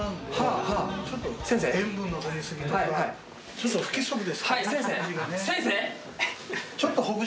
ちょっと不規則ですね。